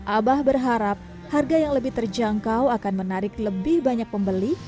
abah berharap harga yang lebih terjangkau akan menarik lebih banyak pembeli